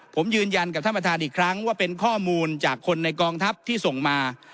ผมยืนยันกับท่านประธานอีกครั้งว่าเป็นข้อมูลจากคนในกองทัพที่ส่งมา